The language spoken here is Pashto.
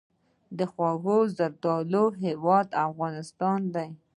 د خوږو زردالو هیواد افغانستان.